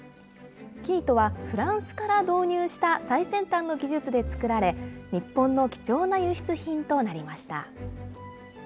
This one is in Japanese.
生糸はフランスから導入した最先端の技術で作られ、日本の貴重な輸出品となりました。